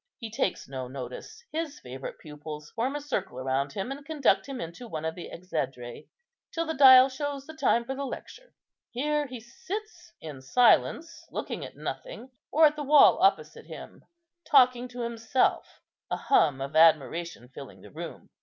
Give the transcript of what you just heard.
He takes no notice; his favourite pupils form a circle round him, and conduct him into one of the exedræ, till the dial shows the time for lecture. Here he sits in silence, looking at nothing, or at the wall opposite him, talking to himself, a hum of admiration filling the room.